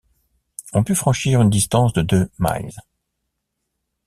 On put franchir une distance de deux milles.